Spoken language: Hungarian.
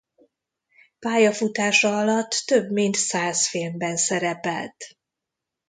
Pályafutása alatt több mint száz filmben szerepelt.